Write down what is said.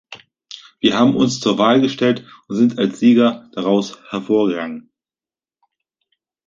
Wir haben uns zur Wahl gestellt und sind als Sieger daraus hervorgegangen.